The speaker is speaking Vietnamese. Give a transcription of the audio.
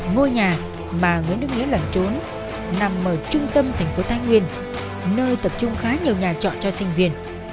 ngôi nhà mà nguyễn đức nghĩa lẩn trốn nằm ở trung tâm thành phố thái nguyên nơi tập trung khá nhiều nhà trọ cho sinh viên